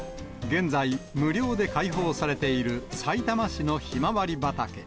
現在、無料で開放されているさいたま市のひまわり畑。